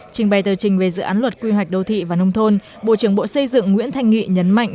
trình bày tờ trình về dự án luật quy hoạch đô thị và nông thôn bộ trưởng bộ xây dựng nguyễn thanh nghị nhấn mạnh